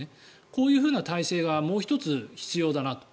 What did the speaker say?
こういう体制がもう１つ必要だなと。